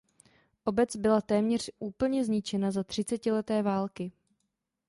Obec byla téměř úplně zničena za třicetileté války.